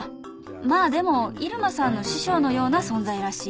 ［まあでも入間さんの師匠のような存在らしい］